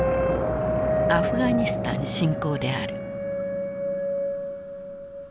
アフガニスタン侵攻である。